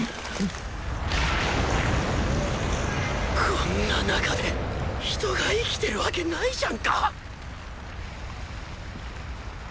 こんな中で人が生きてるわけないじゃんか！